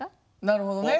なるほどね。